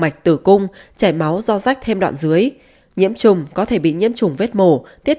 mạch tử cung chảy máu do rách thêm đoạn dưới nhiễm trùng có thể bị nhiễm trùng vết mổ tiết